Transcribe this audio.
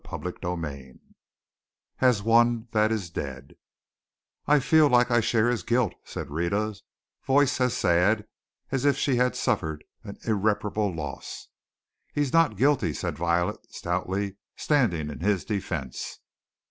CHAPTER XXI AS ONE THAT IS DEAD "I feel like I share his guilt," said Rhetta, voice sad as if she had suffered an irreparable loss. "He's not guilty," said Violet, stoutly, standing in his defense.